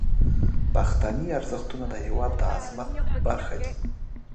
پښتني ارزښتونه د هیواد د عظمت برخه دي.